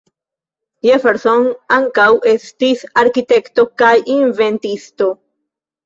Jefferson ankaŭ estis arkitekto kaj inventisto.